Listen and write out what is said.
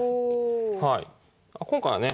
今回はね